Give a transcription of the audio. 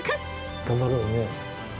頑張ろうね。